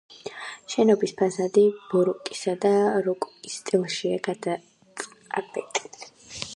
შენობის ფასადი ბაროკოსა და როკოკოს სტილშია გადაწყვეტილი.